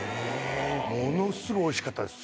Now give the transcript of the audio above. ものすごいおいしかったです。